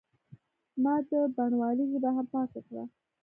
ما د بڼوالۍ ژبه هم پاکه کړه.